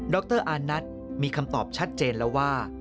รอานัทมีคำตอบชัดเจนแล้วว่า